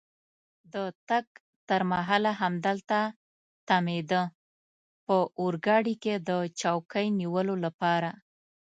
د تګ تر مهاله همدلته تمېده، په اورګاډي کې د چوکۍ نیولو لپاره.